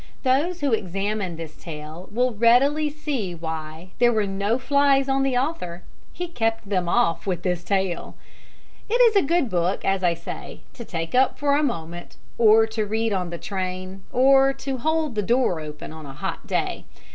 Those who examine this tale will readily see why there were no flies on the author. He kept them off with this tale. It is a good book, as I say, to take up for a moment, or to read on the train, or to hold the door open on a hot day.